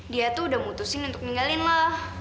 dia tuh udah mutusin untuk ninggalin mah